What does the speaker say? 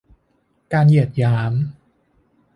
การเหยียดหยาม